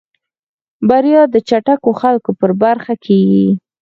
بريا د چټکو خلکو په برخه کېږي.